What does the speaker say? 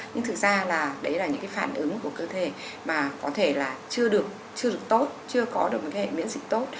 nhưng thực ra là đấy là những cái phản ứng của cơ thể mà có thể là chưa được tốt chưa có được cái miễn dịch tốt